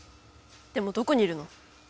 でもどこにいるの？